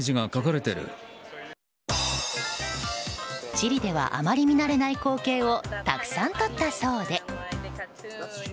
チリではあまり見られない光景をたくさん撮ったそうで。